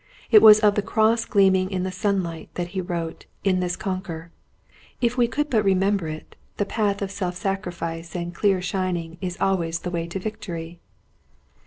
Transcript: It was of the cross gleaming in the sunlight, that he wrote: In this conquer. If we could but remember it, the path of self sacrifice and clear shining is always the way to victory."